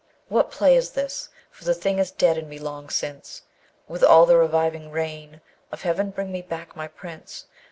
What play is this? for the thing is dead in me long since: Will all the reviving rain Of heaven bring me back my Prince?